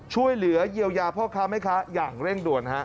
ช่วยเหลือเยียวยาพ่อค้าแม่ค้าอย่างเร่งด่วน